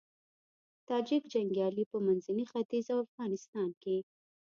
تاجیک جنګيالي په منځني ختيځ او افغانستان کې